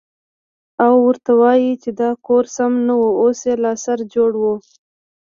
او ورته ووايې چې دا کور سم نه و اوس يې له سره جوړوه.